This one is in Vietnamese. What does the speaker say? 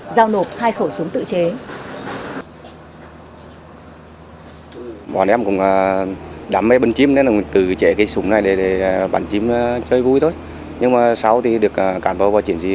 giao nộp hai khẩu súng tự chế